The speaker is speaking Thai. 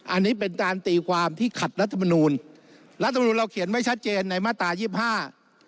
อันนี้เป็นการตีความที่ขัดรัฐมนูลรัฐมนุนเราเขียนไว้ชัดเจนในมาตรายี่สิบห้า